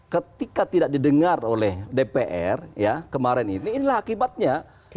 ketika tidak didengar oleh dpr ya kemarin ini inilah akibatnya